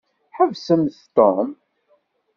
Ḥbsemt Tom.